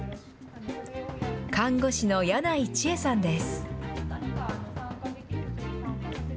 看護師の柳井千恵さんです。